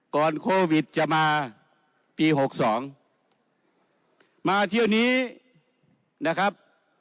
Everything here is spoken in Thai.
ก่อนโควิดจะมาปี๖๒มาเที่ยวนี้นะครับ